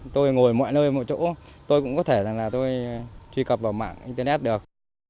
tôi ngồi mọi nơi mọi chỗ tôi cũng có thể rằng là tôi truy cập vào mạng internet được